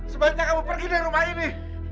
sebaiknya kamu pergi dari rumah ini